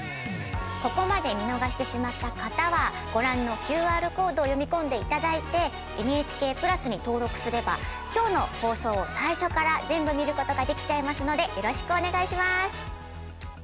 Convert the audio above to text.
ここまで見逃してしまった方はご覧のＱＲコードを読み込んで頂いて「ＮＨＫプラス」に登録すれば今日の放送を最初から全部見ることができちゃいますのでよろしくお願いします。